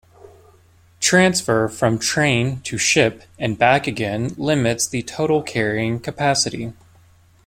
Transfer from train to ship and back again limits the total carrying capacity.